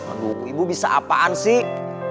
aduh ibu bisa apaan sih